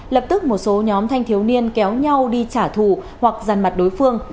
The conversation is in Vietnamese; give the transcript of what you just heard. lập tức một số nhóm thanh thiếu niên kéo nhau đi trả thù hoặc ràn mặt đối phương